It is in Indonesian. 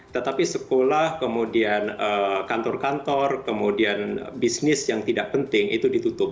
tetapi sekolah kemudian kantor kantor kemudian bisnis yang tidak penting itu ditutup